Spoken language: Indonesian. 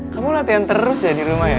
kamu latihan terus ya di rumah ya